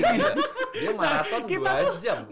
dia maraton dua jam